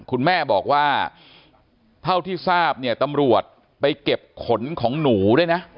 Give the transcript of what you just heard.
คุณแม่บอกว่าเท่าที่ทราบเนี่ยตำรวจไปเก็บขนของหนูด้วยนะ